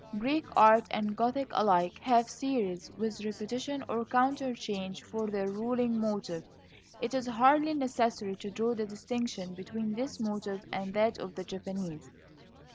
Greek art and Gothic alike have series, with repetition or counter change for their ruling motive. It is hardly necessary to draw the distinction between this motive and that of the Japanese.